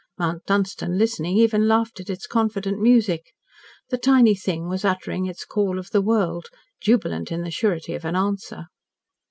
Mount Dunstan, listening, even laughed at its confident music. The tiny thing uttering its Call of the World jubilant in the surety of answer!